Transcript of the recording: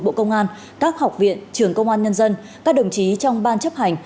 bộ công an các học viện trường công an nhân dân các đồng chí trong ban chấp hành